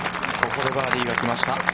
ここでバーディーが来ました。